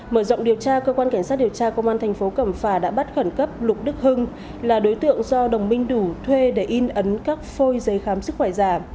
mở rộng điều tra cơ quan cảnh sát điều tra công an thành phố cẩm phà đã bắt khẩn cấp lục đức hưng là đối tượng do đồng minh đủ thuê để in ấn các phôi giấy khám sức khỏe giả